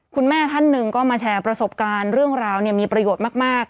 คุณแม่ท่านหนึ่งก็มาแชร์ประสบการณ์เรื่องราวมีประโยชน์มาก